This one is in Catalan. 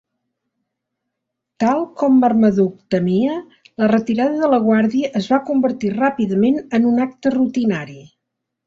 Tal com Marmaduke temia, la retirada de la guàrdia es va convertir ràpidament en un acte rutinari.